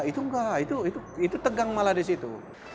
itu enggak itu tegang malah di situ